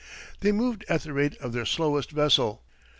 They moved at the rate of their slowest vessel.